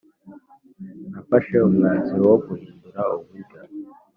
nafashe umwanzuro wo guhindura uburyo